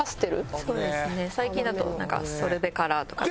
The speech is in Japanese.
そうですね最近だとソルベカラーとか。